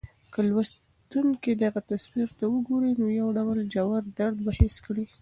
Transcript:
که لوستونکی دغه تصویر ته وګوري، نو یو ډول ژور درد به حس کړي.